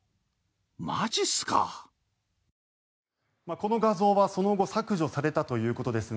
この画像はその後削除されたということですが